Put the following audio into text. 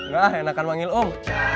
nah enakan manggil om